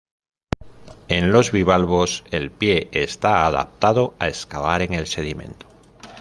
En los bivalvos, el pie está adaptado a excavar en el sedimento.